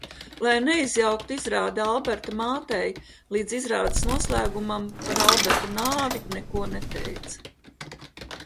Lai neizjauktu izrādi, Alberta mātei līdz izrādes noslēgumam par Alberta nāvi neko neteica.